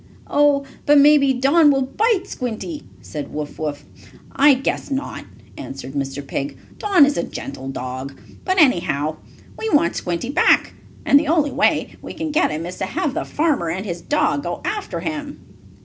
"Oh, but maybe Don will bite Squinty," said Wuff Wuff. "I guess not," answered Mr. Pig. "Don is a gentle dog. But, anyhow, we want Squinty back, and the only way we can get him is to have the farmer and his dog go after him."